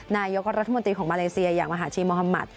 นายกรัฐมนตรีของมาเลเซียอย่างมหาชีโมฮามัติ